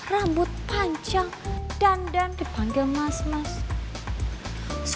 rambut panjang dandan dipanggil mas mas